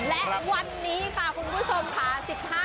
และวันนี้ค่ะคุณผู้ชมค่ะ